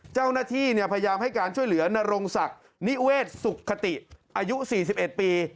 เจ้าหน้าที่พยายามให้การช่วยเหลือนรงศักดิ์นิเวศสุขติอายุ๔๑ปี